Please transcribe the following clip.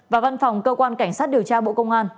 và văn phòng cơ quan cảnh sát điều tra bộ công an